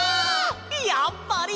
やっぱり！